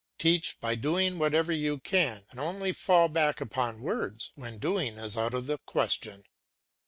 Teach by doing whenever you can, and only fall back upon words when doing is out of the question.